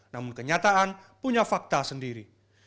namun kenyataan punya fakta sendiri